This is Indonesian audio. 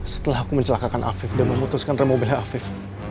setelah aku mencelakakan afif dan memutuskan remobilnya afif